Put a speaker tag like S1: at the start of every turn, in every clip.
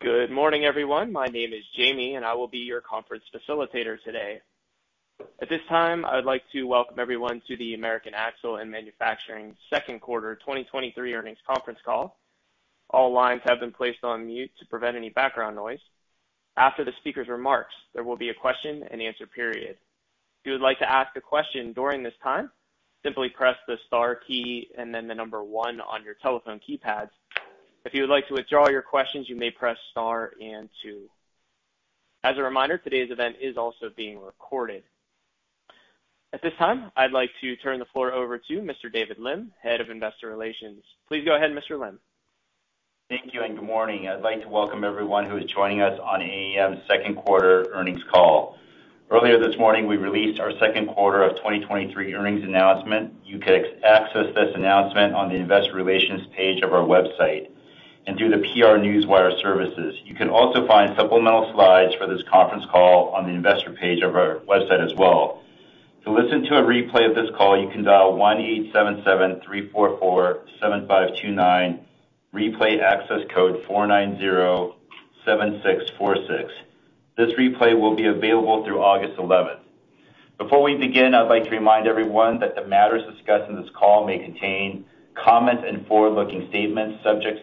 S1: Good morning, everyone. My name is Jamie, and I will be your conference facilitator today. At this time, I would like to welcome everyone to the American Axle & Manufacturing second quarter 2023 earnings conference call. All lines have been placed on mute to prevent any background noise. After the speaker's remarks, there will be a question-and-answer period. If you would like to ask a question during this time, simply press the star key and then the number 1 on your telephone keypad. If you would like to withdraw your questions, you may press Star and two. As a reminder, today's event is also being recorded. At this time, I'd like to turn the floor over to Mr. David Lim, Head of Investor Relations. Please go ahead, Mr. Lim.
S2: Thank you, and good morning. I'd like to welcome everyone who is joining us on AAM's second quarter earnings call. Earlier this morning, we released our second quarter of 2023 earnings announcement. You can access this announcement on the investor relations page of our website and through the PR Newswire services. You can also find supplemental slides for this conference call on the investor page of our website as well. To listen to a replay of this call, you can dial 1-877-344-7529, replay access code 4907646. This replay will be available through August 11th. Before we begin, I'd like to remind everyone that the matters discussed in this call may contain comments and forward-looking statements, subject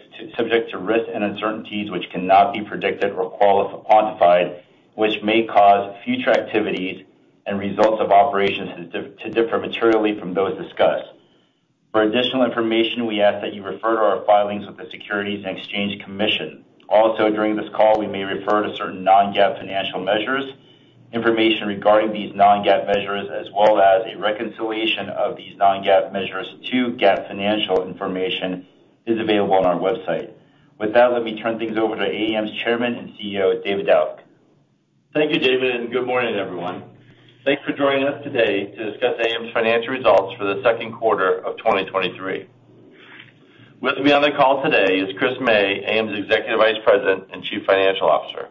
S2: to risks and uncertainties which cannot be predicted or quantified, which may cause future activities and results of operations to differ materially from those discussed. For additional information, we ask that you refer to our filings with the Securities and Exchange Commission. Also, during this call, we may refer to certain non-GAAP financial measures. Information regarding these non-GAAP measures, as well as a reconciliation of these non-GAAP measures to GAAP financial information, is available on our website. With that, let me turn things over to AAM's Chairman and CEO, David Dauch.
S3: Thank you, David, and good morning, everyone. Thanks for joining us today to discuss AAM's financial results for the second quarter of 2023. With me on the call today is Chris May, AAM's Executive Vice President and Chief Financial Officer.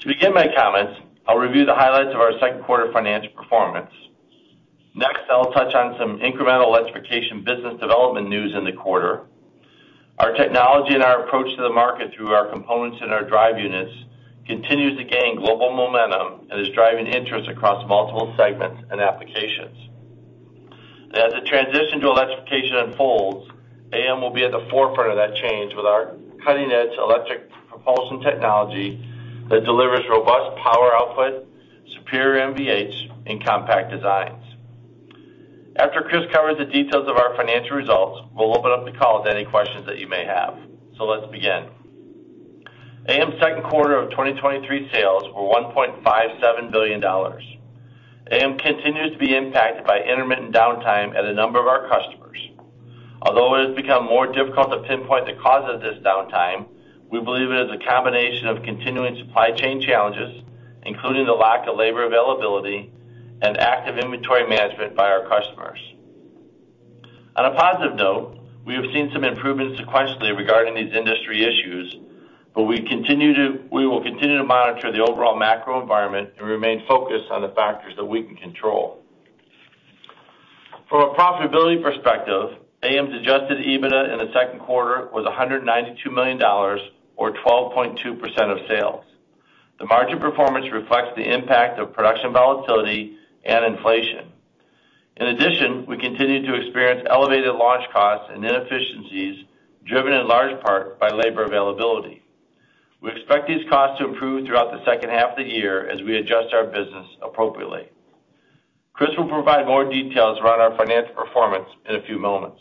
S3: To begin my comments, I'll review the highlights of our second quarter financial performance. Next, I'll touch on some incremental electrification business development news in the quarter. Our technology and our approach to the market through our components and our drive units continues to gain global momentum and is driving interest across multiple segments and applications. As the transition to electrification unfolds, AAM will be at the forefront of that change with our cutting-edge electric propulsion technology that delivers robust power output, superior NVH, and compact designs. After Chris covers the details of our financial results, we'll open up the call to any questions that you may have. Let's begin. AAM's second quarter of 2023 sales were $1.57 billion. AAM continues to be impacted by intermittent downtime at a number of our customers. Although it has become more difficult to pinpoint the cause of this downtime, we believe it is a combination of continuing supply chain challenges, including the lack of labor availability and active inventory management by our customers. On a positive note, we have seen some improvement sequentially regarding these industry issues. We will continue to monitor the overall macro environment and remain focused on the factors that we can control. From a profitability perspective, AAM's adjusted EBITDA in the second quarter was $192 million, or 12.2% of sales. The margin performance reflects the impact of production volatility and inflation. In addition, we continue to experience elevated launch costs and inefficiencies, driven in large part by labor availability. We expect these costs to improve throughout the second half of the year as we adjust our business appropriately. Chris will provide more details around our financial performance in a few moments.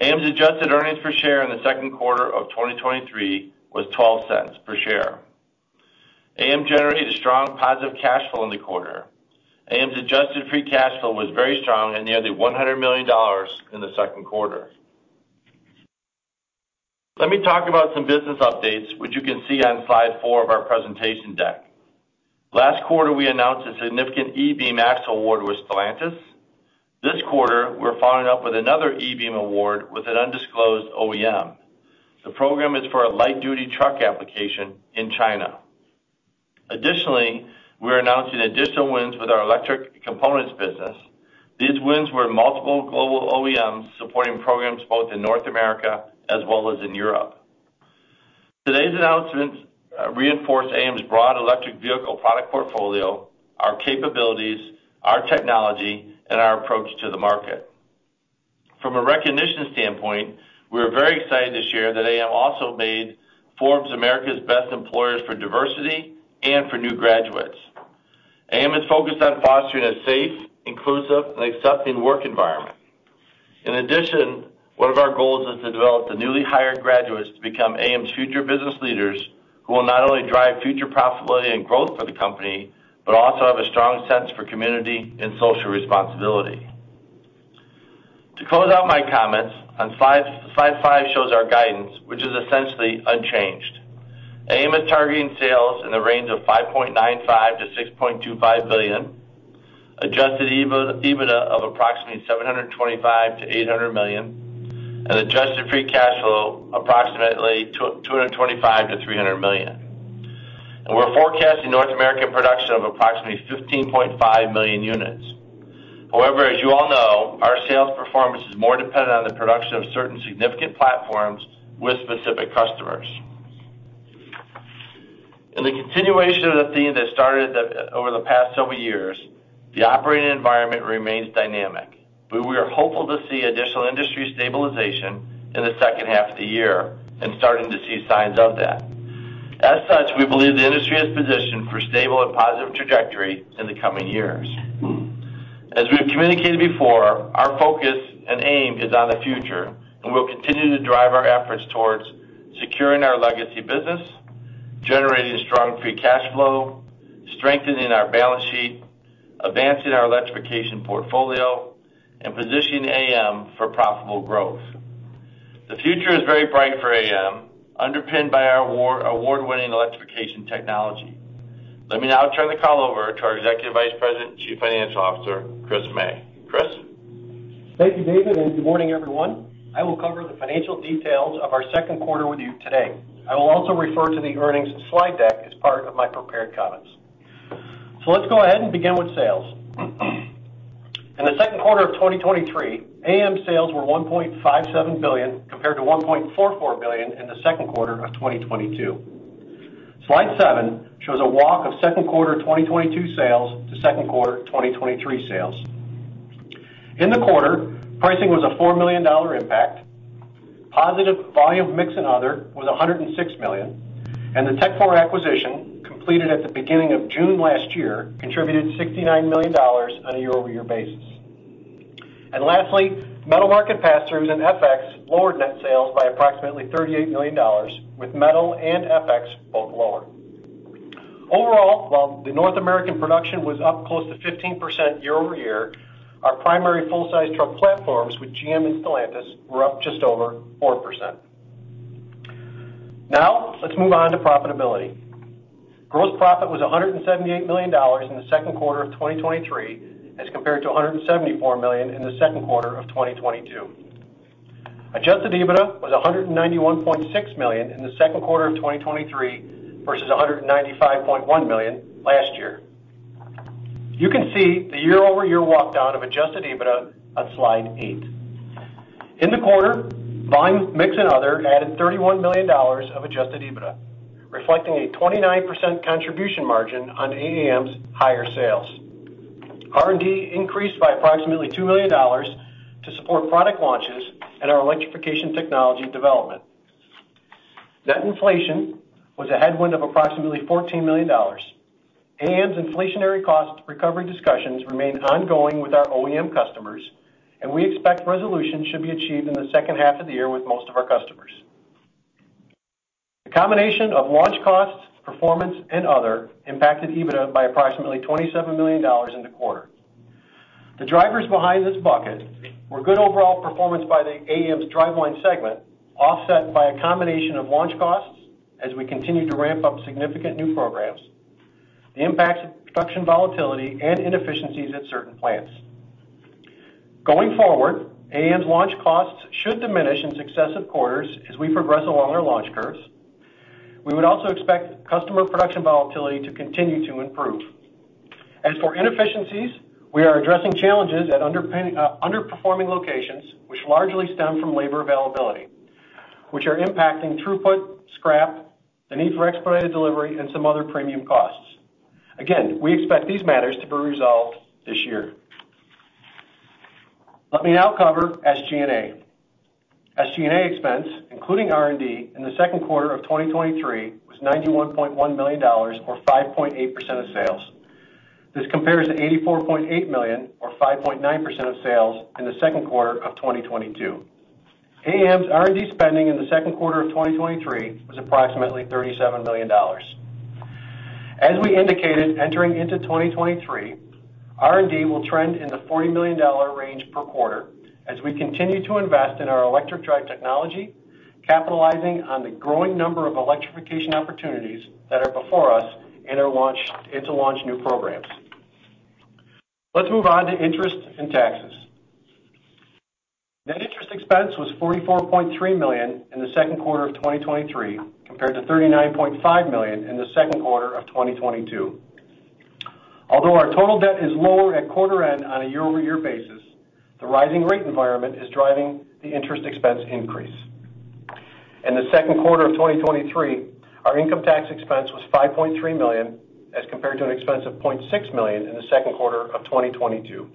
S3: AAM's adjusted earnings per share in the second quarter of 2023 was $0.12 per share. AAM generated a strong positive cash flow in the quarter. AAM's adjusted free cash flow was very strong and nearly $100 million in the second quarter. Let me talk about some business updates, which you can see on slide four of our presentation deck. Last quarter, we announced a significant e-Beam axle award with Stellantis. This quarter, we're following up with another e-Beam award with an undisclosed OEM. The program is for a light-duty truck application in China. Additionally, we're announcing additional wins with our electric components business. These wins were multiple global OEMs supporting programs both in North America as well as in Europe. Today's announcements reinforce AAM's broad electric vehicle product portfolio, our capabilities, our technology, and our approach to the market. From a recognition standpoint, we are very excited to share that AAM also made Forbes America's Best Employers for Diversity and for New Graduates. AAM is focused on fostering a safe, inclusive, and accepting work environment. In addition, one of our goals is to develop the newly hired graduates to become AAM's future business leaders, who will not only drive future profitability and growth for the company, but also have a strong sense for community and social responsibility. To close out my comments, on slide 5 shows our guidance, which is essentially unchanged. AAM is targeting sales in the range of $5.95 billion-$6.25 billion, adjusted EBITDA of approximately $725 million-$800 million, and adjusted free cash flow approximately $225 million-$300 million. We're forecasting North American production of approximately 15.5 million units. However, as you all know, our sales performance is more dependent on the production of certain significant platforms with specific customers. In the continuation of the theme that started the over the past several years, the operating environment remains dynamic, but we are hopeful to see additional industry stabilization in the second half of the year and starting to see signs of that. As such, we believe the industry is positioned for stable and positive trajectory in the coming years. As we have communicated before, our focus and aim is on the future, and we'll continue to drive our efforts towards securing our legacy business, generating strong free cash flow, strengthening our balance sheet, advancing our electrification portfolio, and positioning AAM for profitable growth. The future is very bright for AAM, underpinned by our award, award-winning electrification technology. Let me now turn the call over to our Executive Vice President and Chief Financial Officer, Chris May. Chris?
S4: Thank you, David. Good morning, everyone. I will cover the financial details of our second quarter with you today. I will also refer to the earnings slide deck as part of my prepared comments. Let's go ahead and begin with sales. In the second quarter of 2023, AAM sales were $1.57 billion, compared to $1.44 billion in the second quarter of 2022. Slide 7 shows a walk of second quarter 2022 sales to second quarter 2023 sales. In the quarter, pricing was a $4 million impact. Positive volume, mix and other was $106 million, and the Tekfor acquisition, completed at the beginning of June last year, contributed $69 million on a year-over-year basis. Lastly, metal market pass-throughs and FX lowered net sales by approximately $38 million, with metal and FX both lower. Overall, while the North America production was up close to 15% year-over-year, our primary full-size truck platforms with GM and Stellantis were up just over 4%. Let's move on to profitability. Gross profit was $178 million in the second quarter of 2023, as compared to $174 million in the second quarter of 2022. Adjusted EBITDA was $191.6 million in the second quarter of 2023, versus $195.1 million last year. You can see the year-over-year walkdown of adjusted EBITDA on slide 8. In the quarter, volume, mix and other added $31 million of adjusted EBITDA, reflecting a 29% contribution margin on AAM's higher sales. R&D increased by approximately $2 million to support product launches and our electrification technology development. Net inflation was a headwind of approximately $14 million. AAM's inflationary cost recovery discussions remain ongoing with our OEM customers, and we expect resolution should be achieved in the second half of the year with most of our customers. The combination of launch costs, performance and other impacted EBITDA by approximately $27 million in the quarter. The drivers behind this bucket were good overall performance by AAM's Driveline segment, offset by a combination of launch costs as we continue to ramp up significant new programs, the impacts of production volatility and inefficiencies at certain plants. Going forward, AAM's launch costs should diminish in successive quarters as we progress along our launch curves. We would also expect customer production volatility to continue to improve. As for inefficiencies, we are addressing challenges at underperforming locations, which largely stem from labor availability, which are impacting throughput, scrap, the need for expedited delivery, and some other premium costs. Again, we expect these matters to be resolved this year. Let me now cover SG&A. SG&A expense, including R&D, in the second quarter of 2023, was $91.1 million or 5.8% of sales. This compares to $84.8 million, or 5.9% of sales, in the second quarter of 2022. AAM's R&D spending in the second quarter of 2023 was approximately $37 million. As we indicated, entering into 2023, R&D will trend in the $40 million range per quarter as we continue to invest in our electric drive technology, capitalizing on the growing number of electrification opportunities that are before us and to launch new programs. Let's move on to interest and taxes. Net interest expense was $44.3 million in the second quarter of 2023, compared to $39.5 million in the second quarter of 2022. Although our total debt is lower at quarter end on a year-over-year basis, the rising rate environment is driving the interest expense increase. In the second quarter of 2023, our income tax expense was $5.3 million, as compared to an expense of $0.6 million in the second quarter of 2022.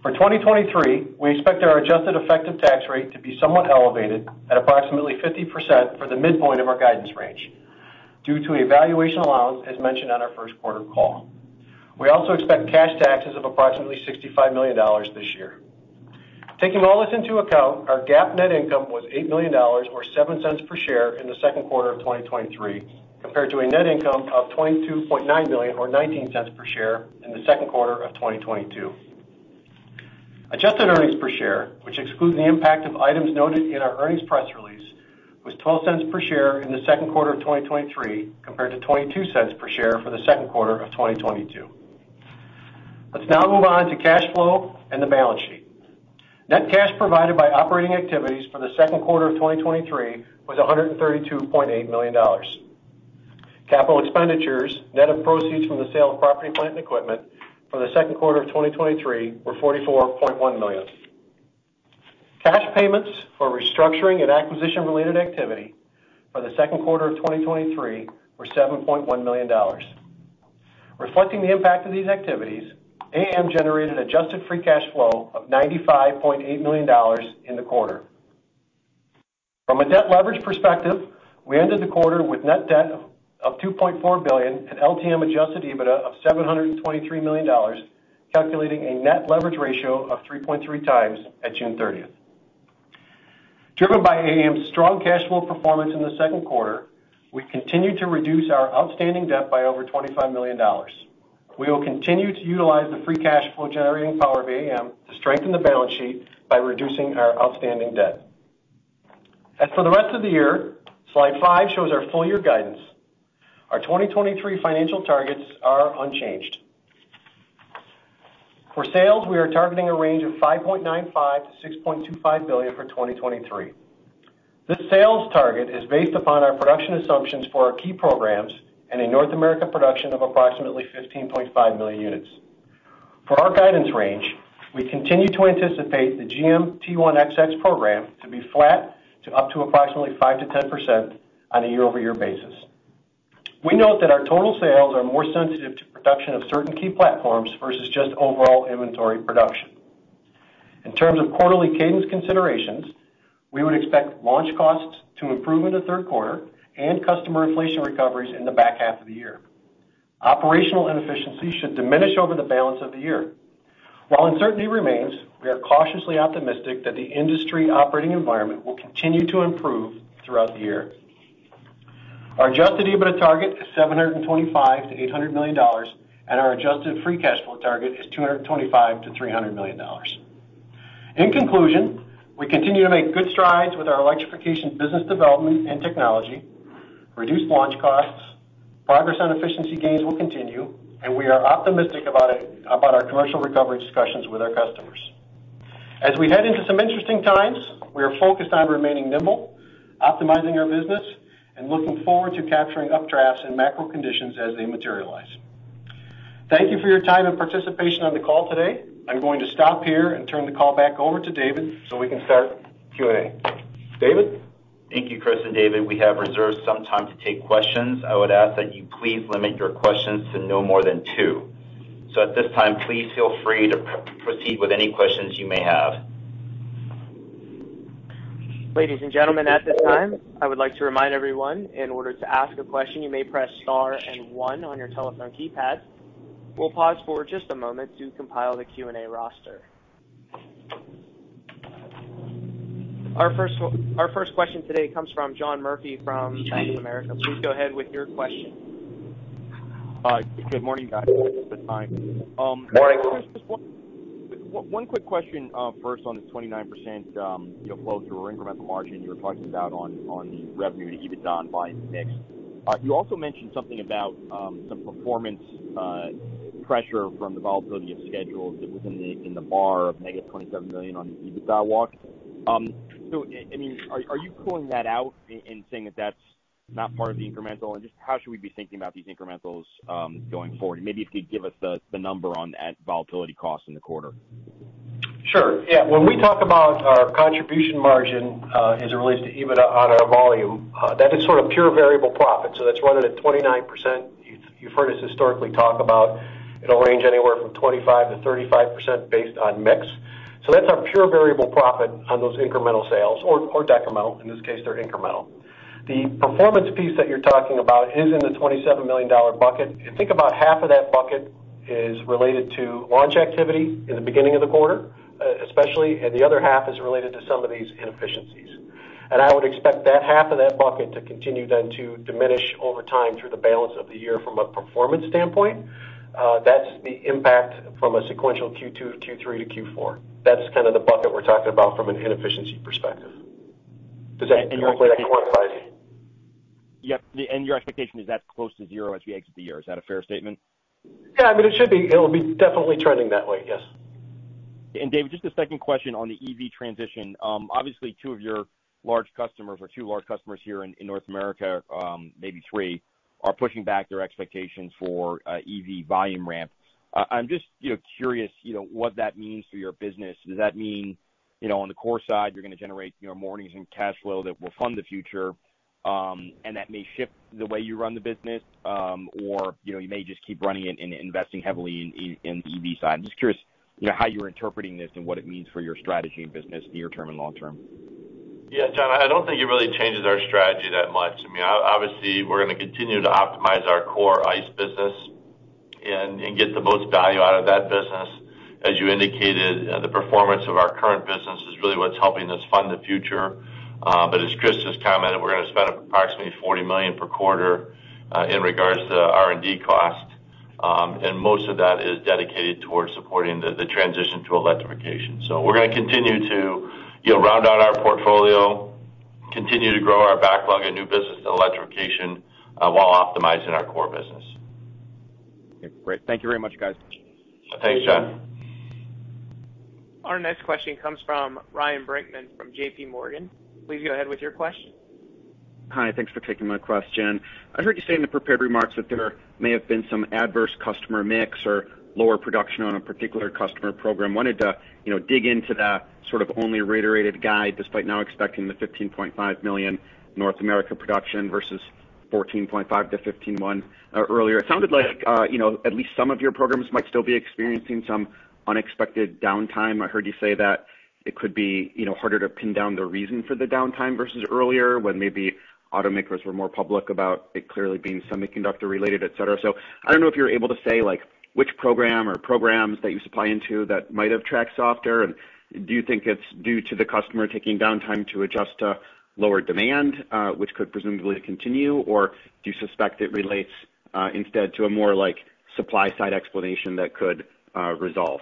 S4: For 2023, we expect our adjusted effective tax rate to be somewhat elevated at approximately 50% for the midpoint of our guidance range due to a valuation allowance, as mentioned on our first quarter call. We also expect cash taxes of approximately $65 million this year. Taking all this into account, our GAAP net income was $8 million, or $0.07 per share, in the second quarter of 2023, compared to a net income of $22.9 million, or $0.19 per share, in the second quarter of 2022. Adjusted earnings per share, which excludes the impact of items noted in our earnings press release, was $0.12 per share in the second quarter of 2023, compared to $0.22 per share for the second quarter of 2022. Let's now move on to cash flow and the balance sheet. Net cash provided by operating activities for the second quarter of 2023 was $132.8 million. Capital expenditures, net of proceeds from the sale of property, plant, and equipment for the second quarter of 2023 were $44.1 million. Cash payments for restructuring and acquisition-related activity for the second quarter of 2023 were $7.1 million. Reflecting the impact of these activities, AAM generated adjusted free cash flow of $95.8 million in the quarter. From a debt leverage perspective, we ended the quarter with net debt of $2.4 billion, and LTM adjusted EBITDA of $723 million, calculating a net leverage ratio of 3.3 times at June 30th. Driven by AAM's strong cash flow performance in the second quarter, we continued to reduce our outstanding debt by over $25 million. We will continue to utilize the free cash flow generating power of AAM to strengthen the balance sheet by reducing our outstanding debt. As for the rest of the year, slide 5 shows our full year guidance. Our 2023 financial targets are unchanged. For sales, we are targeting a range of $5.95 billion-$6.25 billion for 2023. This sales target is based upon our production assumptions for our key programs, and in North America, production of approximately 15.5 million units. For our guidance range, we continue to anticipate the GM T1XX program to be flat to up to approximately 5%-10% on a year-over-year basis. We note that our total sales are more sensitive to production of certain key platforms versus just overall inventory production. In terms of quarterly cadence considerations, we would expect launch costs to improve in the third quarter and customer inflation recoveries in the back half of the year. Operational inefficiencies should diminish over the balance of the year. While uncertainty remains, we are cautiously optimistic that the industry operating environment will continue to improve throughout the year. Our adjusted EBITDA target is $725 million-$800 million, and our adjusted free cash flow target is $225 million-$300 million. In conclusion, we continue to make good strides with our electrification business development and technology, reduced launch costs, 5% efficiency gains will continue, and we are optimistic about our commercial recovery discussions with our customers. As we head into some interesting times, we are focused on remaining nimble, optimizing our business, and looking forward to capturing updrafts and macro conditions as they materialize. Thank you for your time and participation on the call today. I'm going to stop here and turn the call back over to David, so we can start Q&A. David?
S3: Thank you, Chris and David. We have reserved some time to take questions. I would ask that you please limit your questions to no more than two. At this time, please feel free to proceed with any questions you may have.
S1: Ladies and gentlemen, at this time, I would like to remind everyone, in order to ask a question, you may press star and one on your telephone keypad. We'll pause for just a moment to compile the Q&A roster. Our first question today comes from John Murphy from Bank of America. Please go ahead with your question.
S5: Good morning, guys. Thanks for the time.
S4: Good morning.
S5: Just, just one, one quick question, first on the 29%, you know, flow-through or incremental margin you were talking about on, on the revenue to EBITDA and volume mix. You also mentioned something about, some performance, pressure from the volatility of schedules that was in the, in the bar of -$27 million on the EBITDA walk. I, I mean, are, are you calling that out and saying that that's not part of the incremental? Just how should we be thinking about these incrementals, going forward? Maybe if you could give us the, the number on that volatility cost in the quarter.
S4: Sure. Yeah, when we talk about our contribution margin, as it relates to EBITDA on our volume, that is sort of pure variable profit, so that's running at 29%. You've, you've heard us historically talk about it'll range anywhere from 25%-35% based on mix. So that's our pure variable profit on those incremental sales or, or decremental. In this case, they're incremental. The performance piece that you're talking about is in the $27 million bucket. I think about half of that bucket is related to launch activity in the beginning of the quarter, especially, and the other half is related to some of these inefficiencies. I would expect that half of that bucket to continue then to diminish over time through the balance of the year from a performance standpoint. That's the impact from a sequential Q2, Q3 to Q4. That's kind of the bucket we're talking about from an inefficiency perspective.
S5: And your-
S4: Does that qualify?
S5: Yep, your expectation is that's close to 0 as we exit the year. Is that a fair statement?
S4: Yeah. I mean, it should be. It'll be definitely trending that way. Yes.
S5: David, just a second question on the EV transition. Obviously, two of your large customers or two large customers here in, in North America, maybe three, are pushing back their expectations for EV volume ramp. I'm just, you know, curious, you know, what that means for your business. Does that mean, you know, on the core side, you're gonna generate, you know, more earnings and cash flow that will fund the future, and that may shift the way you run the business, or, you know, you may just keep running it and investing heavily in, in, in the EV side? I'm just curious, you know, how you're interpreting this and what it means for your strategy and business, near term and long term.
S3: Yeah, John, I don't think it really changes our strategy that much. I mean, obviously, we're gonna continue to optimize our core ICE business and, and get the most value out of that business. As you indicated, the performance of our current business is really what's helping us fund the future. As Chris just commented, we're gonna spend approximately $40 million per quarter, in regards to R&D costs, and most of that is dedicated towards supporting the, the transition to electrification. We're gonna continue to, you know, round out our portfolio, continue to grow our backlog and new business development...... while optimizing our core business.
S5: Okay, great. Thank you very much, guys.
S3: Thanks, John.
S1: Our next question comes from Ryan Brinkman from JPMorgan. Please go ahead with your question.
S6: Hi, thanks for taking my question. I heard you say in the prepared remarks that there may have been some adverse customer mix or lower production on a particular customer program. Wanted to, you know, dig into that sort of only reiterated guide, despite now expecting the 15.5 million North America production versus 14.5-15.1 earlier. It sounded like, you know, at least some of your programs might still be experiencing some unexpected downtime. I heard you say that it could be, you know, harder to pin down the reason for the downtime versus earlier, when maybe automakers were more public about it clearly being semiconductor related, et cetera. I don't know if you're able to say, like, which program or programs that you supply into that might have tracked softer. Do you think it's due to the customer taking downtime to adjust to lower demand, which could presumably continue, or do you suspect it relates, instead to a more like, supply side explanation that could resolve?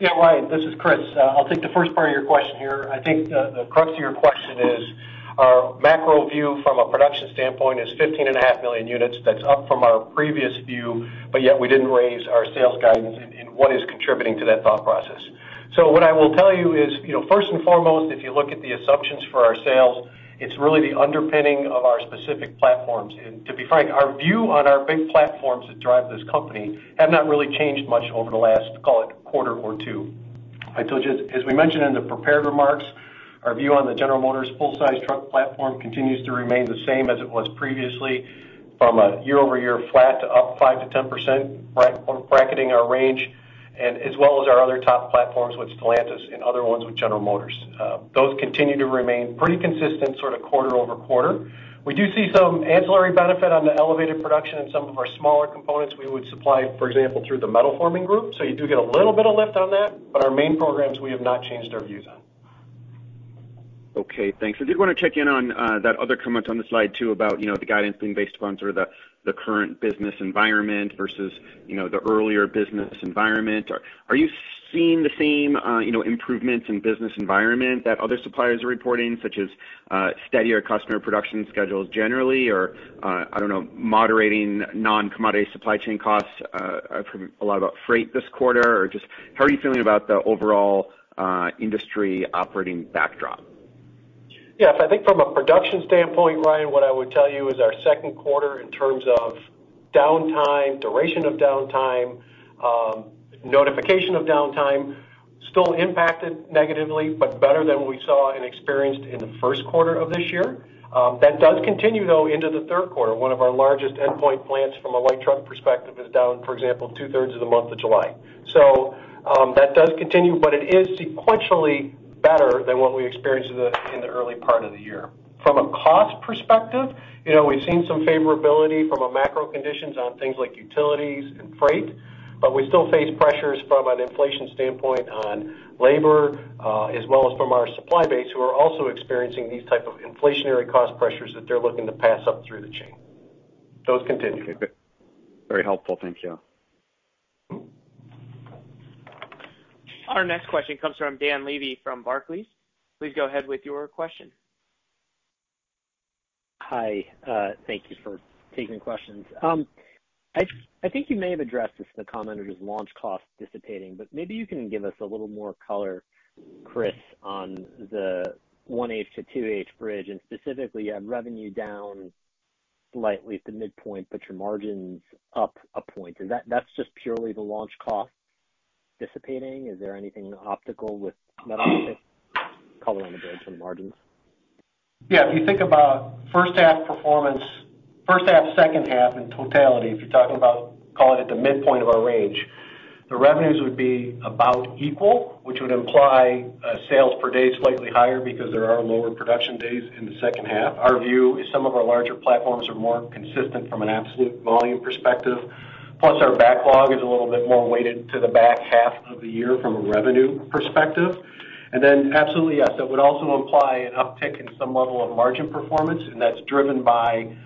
S4: Yeah, Ryan, this is Chris. I'll take the first part of your question here. I think the crux of your question is: our macro view from a production standpoint is 15.5 million units. That's up from our previous view, but yet we didn't raise our sales guidance in what is contributing to that thought process. What I will tell you is, you know, first and foremost, if you look at the assumptions for our sales, it's really the underpinning of our specific platforms. To be frank, our view on our big platforms that drive this company have not really changed much over the last, call it, quarter or two. I told you, as we mentioned in the prepared remarks, our view on the General Motors full-size truck platform continues to remain the same as it was previously, from a year-over-year flat to up 5%-10%, bracketing our range, as well as our other top platforms with Stellantis and other ones with General Motors. Those continue to remain pretty consistent, sort of quarter-over-quarter. We do see some ancillary benefit on the elevated production in some of our smaller components we would supply, for example, through the metal forming group. You do get a little bit of lift on that, but our main programs, we have not changed our views on.
S6: Okay, thanks. I did want to check in on that other comment on the slide, too, about, you know, the guidance being based upon sort of the, the current business environment versus, you know, the earlier business environment. Are you seeing the same, you know, improvements in business environment that other suppliers are reporting, such as steadier customer production schedules generally, or I don't know, moderating non-commodity supply chain costs from a lot about freight this quarter? Or just how are you feeling about the overall industry operating backdrop?
S4: Yes, I think from a production standpoint, Ryan, what I would tell you is our second quarter, in terms of downtime, duration of downtime, notification of downtime, still impacted negatively, but better than what we saw and experienced in the first quarter of this year. That does continue, though, into the third quarter. One of our largest endpoint plants from a light truck perspective is down, for example, two-thirds of the month of July. That does continue, but it is sequentially better than what we experienced in the, in the early part of the year. From a cost perspective, you know, we've seen some favorability from a macro conditions on things like utilities and freight, but we still face pressures from an inflation standpoint on labor, as well as from our supply base, who are also experiencing these type of inflationary cost pressures that they're looking to pass up through the chain. Those continue.
S6: Very helpful. Thank you.
S1: Our next question comes from Dan Levy, from Barclays. Please go ahead with your question.
S7: Hi, thank you for taking the questions. I, I think you may have addressed this in the comment, which is launch costs dissipating, but maybe you can give us a little more color, Chris, on the 1Q to 2Q bridge, and specifically on revenue down slightly at the midpoint, but your margins up 1 point. Is that- that's just purely the launch cost dissipating? Is there anything optical with Metal Forming the bridge and margins?
S4: Yeah. If you think about first half performance, first half, second half, in totality, if you're talking about calling it the midpoint of our range, the revenues would be about equal, which would imply sales per day is slightly higher because there are lower production days in the second half. Our view is some of our larger platforms are more consistent from an absolute volume perspective, plus our backlog is a little bit more weighted to the back half of the year from a revenue perspective. Then, absolutely, yes, it would also imply an uptick in some level of margin performance, and that's driven by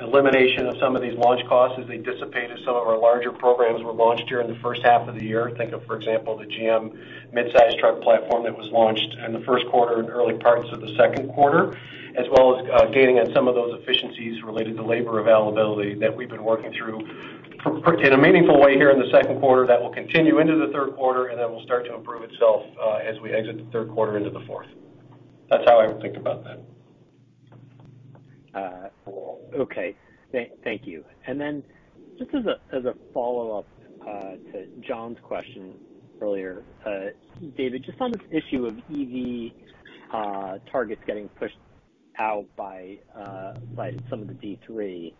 S4: elimination of some of these launch costs as they dissipate, as some of our larger programs were launched during the first half of the year. Think of, for example, the GM mid-size truck platform that was launched in the first quarter and early parts of the second quarter, as well as, gaining on some of those efficiencies related to labor availability that we've been working through in a meaningful way here in the second quarter. That will continue into the third quarter, and then will start to improve itself, as we exit the third quarter into the fourth. That's how I would think about that.
S7: Okay. Thank you. Just as a, as a follow-up, to John's question earlier, David, just on this issue of EV targets getting pushed out by some of the D3,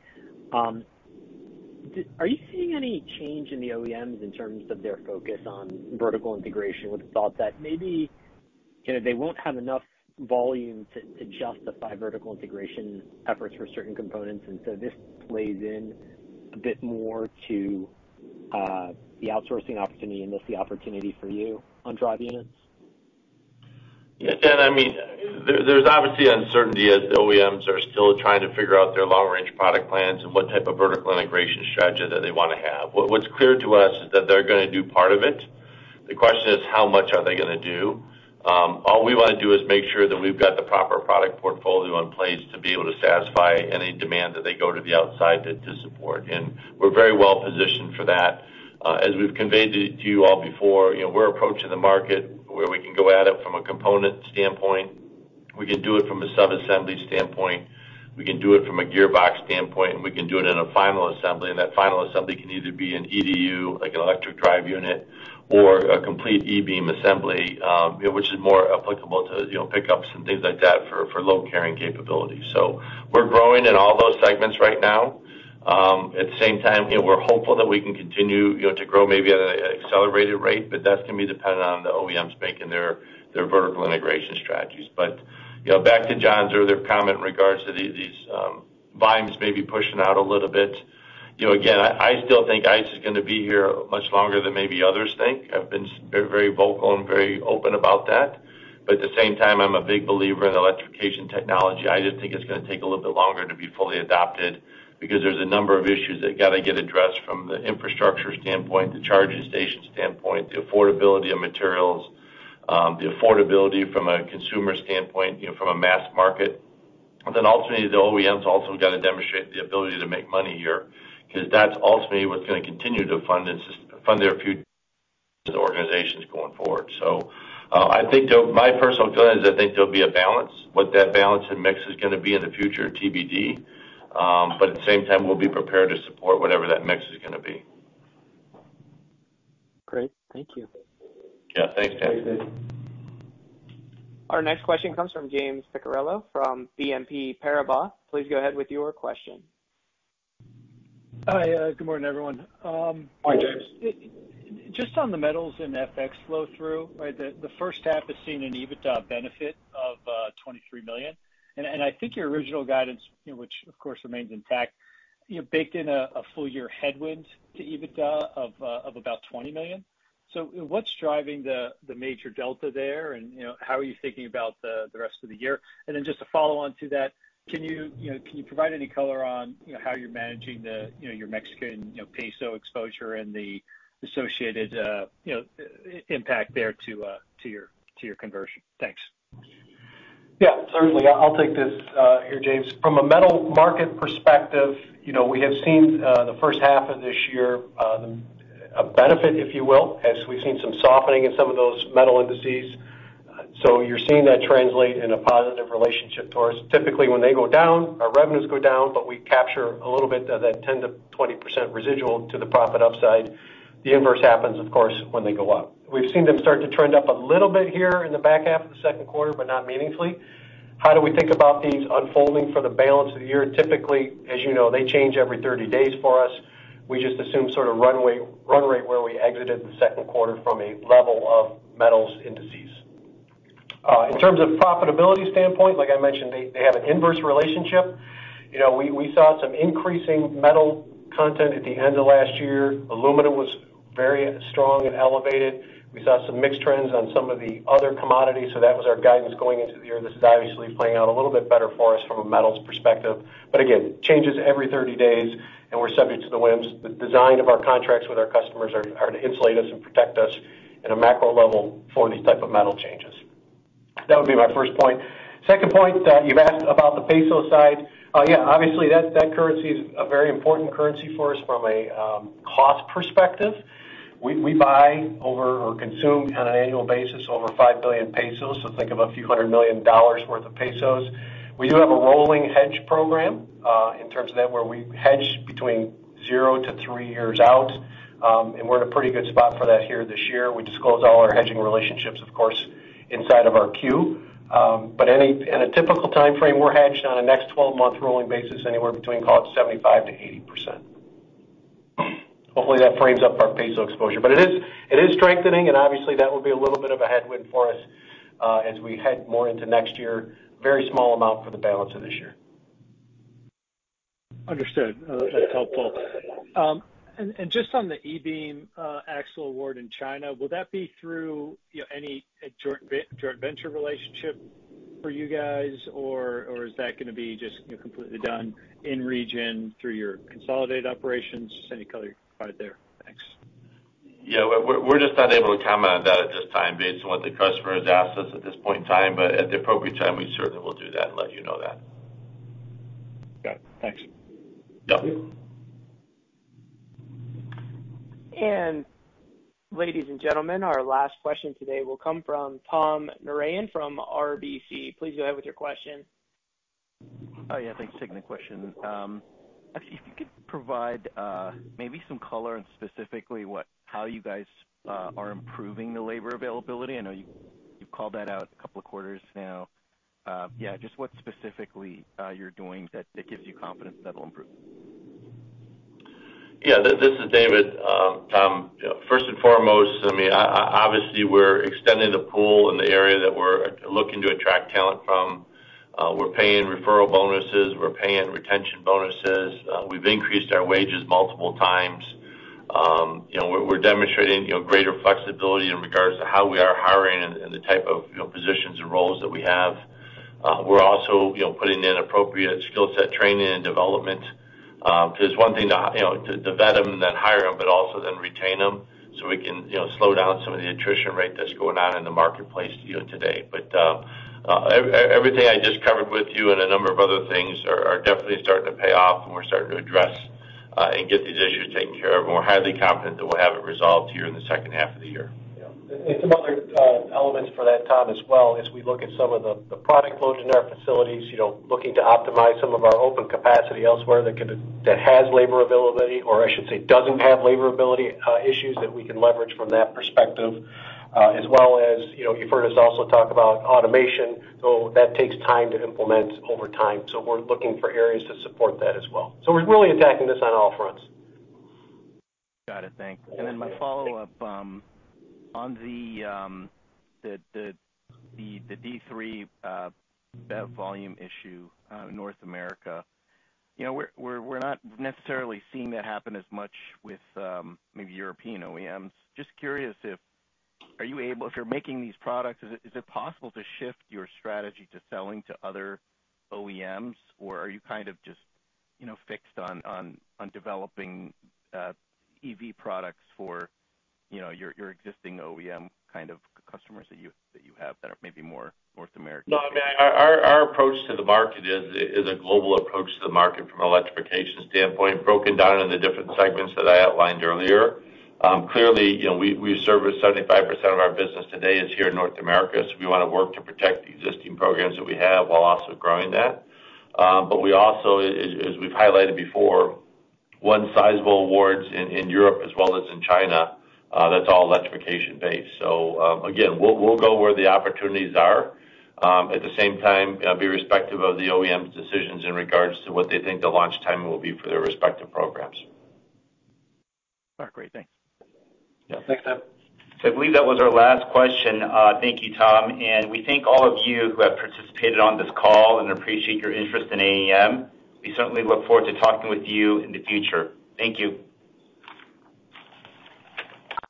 S7: are you seeing any change in the OEMs in terms of their focus on vertical integration, with the thought that maybe, you know, they won't have enough volume to, to justify vertical integration efforts for certain components, and so this plays in a bit more to the outsourcing opportunity and thus the opportunity for you on drive units?
S3: Yeah, Dan, I mean, there, there's obviously uncertainty as the OEMs are still trying to figure out their long-range product plans and what type of vertical integration strategy that they want to have. What, what's clear to us is that they're gonna do part of it. The question is, how much are they gonna do? All we wanna do is make sure that we've got the proper product portfolio in place to be able to satisfy any demand that they go to the outside to, to support, and we're very well positioned for that. As we've conveyed to, to you all before, you know, we're approaching the market where we can go at it from a component standpoint. We can do it from a sub-assembly standpoint, we can do it from a gearbox standpoint, and we can do it in a final assembly. That final assembly can either be an EDU, like an electric drive unit, or a complete e-Beam assembly, which is more applicable to, you know, pickups and things like that for, for load carrying capabilities. We're growing in all those segments right now. At the same time, you know, we're hopeful that we can continue, you know, to grow maybe at an accelerated rate, but that's gonna be dependent on the OEMs making their, their vertical integration strategies. You know, back to John's earlier comment in regards to these volumes may be pushing out a little bit. You know, again, I, I still think ICE is gonna be here much longer than maybe others think. I've been very vocal and very open about that. At the same time, I'm a big believer in electrification technology. I just think it's gonna take a little bit longer to be fully adopted because there's a number of issues that gotta get addressed, from the infrastructure standpoint, the charging station standpoint, the affordability of materials, the affordability from a consumer standpoint, you know, from a mass market. Then ultimately, the OEMs also got to demonstrate the ability to make money here, because that's ultimately what's gonna continue to fund and sus- fund their future organizations going forward. I think there- my personal feeling is I think there'll be a balance. What that balance and mix is gonna be in the future, TBD. At the same time, we'll be prepared to support whatever that mix is gonna be.
S7: Great. Thank you.
S3: Yeah, thanks, Dan.
S1: Our next question comes from James Picariello from BNP Paribas. Please go ahead with your question.
S8: Hi, good morning, everyone.
S3: Hi, James.
S8: Just on the metals and FX flow through, right? The, the first half has seen an EBITDA benefit of $23 million. I think your original guidance, you know, which, of course, remains intact, you know, baked in a, a full year headwind to EBITDA of about $20 million. What's driving the, the major delta there, and, you know, how are you thinking about the, the rest of the year? Just to follow on to that, can you, you know, can you provide any color on, you know, how you're managing the, you know, your Mexican peso exposure and the associated, you know, impact there to, to your, to your conversion? Thanks.
S4: Yeah, certainly. I'll take this here, James. From a metal market perspective, you know, we have seen the first half of this year a benefit, if you will, as we've seen some softening in some of those metal indices. You're seeing that translate in a positive relationship to us. Typically, when they go down, our revenues go down, but we capture a little bit of that 10%-20% residual to the profit upside. The inverse happens, of course, when they go up. We've seen them start to trend up a little bit here in the back half of the second quarter, but not meaningfully. How do we think about these unfolding for the balance of the year? Typically, as you know, they change every 30 days for us. We just assume sort of runway, run rate where we exited the second quarter from a level of metals indices. In terms of profitability standpoint, like I mentioned, they, they have an inverse relationship. You know, we, we saw some increasing metal content at the end of last year. Aluminum was very strong and elevated. That was our guidance going into the year. This is obviously playing out a little bit better for us from a metals perspective. Again, changes every 30 days, and we're subject to the whims. The design of our contracts with our customers are, are to insulate us and protect us at a macro level for these type of metal changes. That would be my first point. Second point that you've asked about the peso side. Yeah, obviously, that, that currency is a very important currency for us from a cost perspective. We, we buy over or consume on an annual basis over 5 billion pesos, so think of a few hundred million dollars worth of pesos. We do have a rolling hedge program in terms of that, where we hedge between 0-3 years out. We're in a pretty good spot for that here this year. We disclose all our hedging relationships, of course, inside of our Q. Any- in a typical timeframe, we're hedged on a next 12-month rolling basis, anywhere between call it 75%-80%. Hopefully, that frames up our peso exposure. It is, it is strengthening, and obviously, that will be a little bit of a headwind for us as we head more into next year. Very small amount for the balance of this year.
S8: Understood. That's helpful. Just on the e-Beam, axle award in China, will that be through, you know, any joint venture relationship for you guys, or is that gonna be just, you know, completely done in region through your consolidated operations? Any color you can provide there? Thanks.
S3: Yeah, we're, we're just not able to comment on that at this time based on what the customer has asked us at this point in time, but at the appropriate time, we certainly will do that and let you know that.
S8: Got it. Thanks.
S3: Yeah.
S1: ladies and gentlemen, our last question today will come from Tom Narayan from RBC. Please go ahead with your question.
S9: Oh, yeah. Thanks, taking the question. If you could provide maybe some color on specifically how you guys are improving the labor availability. I know you, you've called that out 2 quarters now. Yeah, just what specifically you're doing that, that gives you confidence that'll improve?
S3: Yeah, this, this is David. Tom, first and foremost, I mean, obviously, we're extending the pool in the area that we're looking to attract talent from. We're paying referral bonuses, we're paying retention bonuses, we've increased our wages multiple times. You know, we're, we're demonstrating, you know, greater flexibility in regards to how we are hiring and, and the type of, you know, positions and roles that we have. We're also, you know, putting in appropriate skill set training and development. Because one thing to vet them, then hire them, but also then retain them, so we can, you know, slow down some of the attrition rate that's going on in the marketplace, you know, today. Everything I just covered with you and a number of other things are, are definitely starting to pay off, and we're starting to address, and get these issues taken care of. We're highly confident that we'll have it resolved here in the second half of the year.
S4: Yeah. Some other elements for that, Tom, as well, as we look at some of the, the product flows in our facilities, you know, looking to optimize some of our open capacity elsewhere that has labor availability, or I should say, doesn't have labor ability issues that we can leverage from that perspective. As well as, you know, you've heard us also talk about automation, that takes time to implement over time. We're looking for areas to support that as well. We're really attacking this on all fronts.
S9: Got it. Thanks. Then my follow-up, on the D3, volume issue, North America, you know, we're, we're not necessarily seeing that happen as much with, maybe European OEMs. Just curious if you're making these products, is it possible to shift your strategy to selling to other OEMs? Or are you kind of just, you know, fixed on developing EV products for, you know, your, your existing OEM kind of customers that you, that you have that are maybe more North American?
S3: No, I mean, our, our approach to the market is, is a global approach to the market from an electrification standpoint, broken down into different segments that I outlined earlier. Clearly, you know, we, we service 75% of our business today is here in North America, so we wanna work to protect the existing programs that we have while also growing that. We also, as, as we've highlighted before, won sizable awards in, in Europe as well as in China, that's all electrification-based. Again, we'll, we'll go where the opportunities are, at the same time, be respective of the OEM's decisions in regards to what they think the launch timing will be for their respective programs.
S9: All right. Great. Thanks.
S4: Yeah. Thanks, Tom.
S3: I believe that was our last question. Thank you, Tom, and we thank all of you who have participated on this call and appreciate your interest in AAM. We certainly look forward to talking with you in the future. Thank you.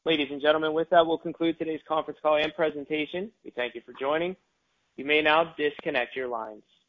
S1: Ladies and gentlemen, with that, we'll conclude today's conference call and presentation. We thank you for joining. You may now disconnect your lines.